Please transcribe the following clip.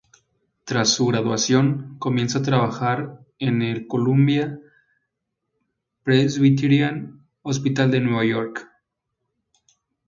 Tras su graduación, comienza a trabajar en el Columbia Presbyterian Hospital de Nueva York.